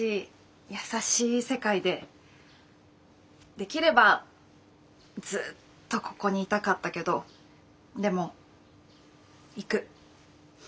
できればずっとここにいたかったけどでも行く。